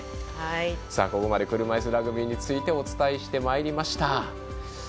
ここまで車いすラグビーについてお伝えしてまいりました。